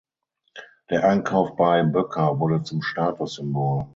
Der Einkauf bei Boecker wurde zum Statussymbol.